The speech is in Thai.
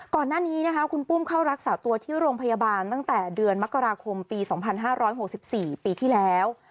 ก่อนหน้านี้นะคะคุณปุ้มเข้ารักษาตัวที่โรงพยาบาลตั้งแต่เดือนมกราคมปี๒๕๖๔ปีที่แล้ว